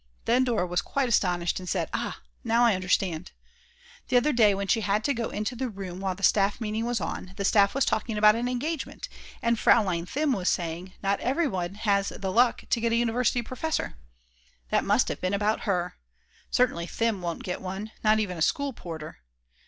Then Dora was quite astonished and said: "Ah, now I understand." The other day when she had to go into the room while the staff meeting was on, the staff was talking about an engagement, and Fraulein Thim was saying: "Not everyone has the luck to get a university professor." That must have been about her. Certainly Thim won't get one, not even a school porter.